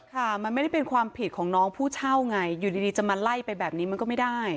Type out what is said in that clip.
ค่ะมันไม่ได้เป็นความผิดของน้องผู้เช่าไงอยู่ดีจะมาไล่ไปแบบนี้มันก็ไม่ได้